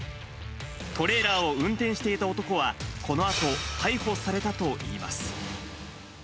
トレーラーを運転していた男は、このあと逮捕されたといいます。